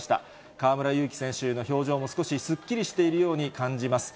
河村勇輝選手の表情も少しすっきりしているように感じます。